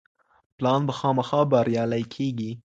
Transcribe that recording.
پلان به خامخا بريالی کيږي.